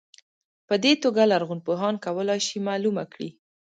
په دې توګه لرغونپوهان کولای شي معلومه کړي.